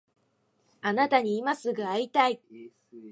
あなたに今すぐ会いたい